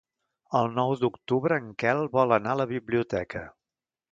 El nou d'octubre en Quel vol anar a la biblioteca.